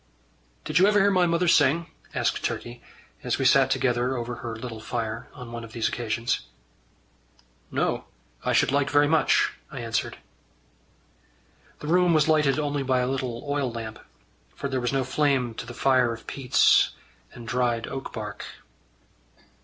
"Did you ever hear my mother sing?" asked Turkey, as we sat together over her little fire, on one of these occasions. "No. I should like very much," I answered. The room was lighted only by a little oil lamp, for there was no flame to the fire of peats and dried oak bark.